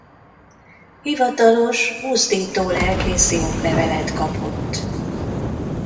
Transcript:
Hivatalos buzdító-lelkészi oklevelet kapott.